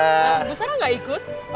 bu sara gak ikut